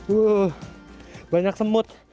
wuh banyak semut